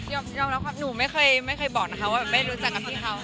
ยอมรับความหนูไม่เคยบอกนะคะว่าแบบไม่รู้จักกับพี่เขา